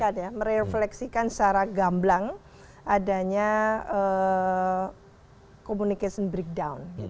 ya merefleksikan secara gamblang adanya communication breakdown